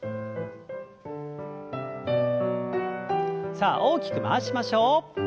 さあ大きく回しましょう。